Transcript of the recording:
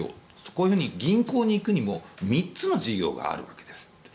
このように銀行に行くにも３つの事業があるわけです。